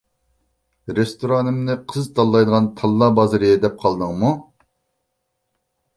رېستورانىمنى قىز تاللايدىغان تاللا بازىرى دەپ قالدىڭمۇ؟